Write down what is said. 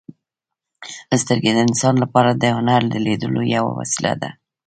• سترګې د انسان لپاره د هنر د لیدلو یوه وسیله ده.